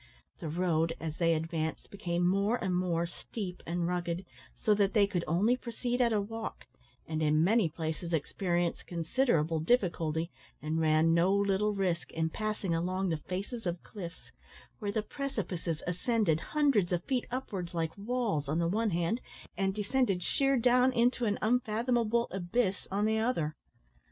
The road, as they advanced, became more and more steep and rugged, so that they could only proceed at a walk, and in many places experienced considerable difficulty, and ran no little risk, in passing along the faces of cliffs, where the precipices ascended hundreds of feet upwards like walls, on the one hand, and descended sheer down into an unfathomable abyss, on the other.